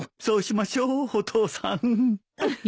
そうしましょうお父さん。